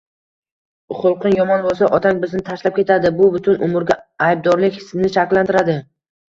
“xulqing yomon bo‘lsa, otang bizni tashlab ketadi” – bu butun umrga aybdorlik hissini shakllantiradi.